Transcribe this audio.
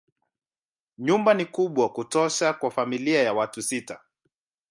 Nyumba ni kubwa kutosha kwa familia ya watu sita.